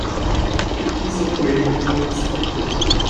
Dieser Projektor ist kaputt.